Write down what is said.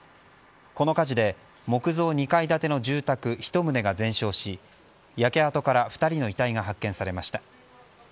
この火事で木造２階建ての住宅１棟が全焼し焼け跡から２人の遺体が発見されました。